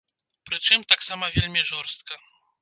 Прычым, таксама вельмі жорстка.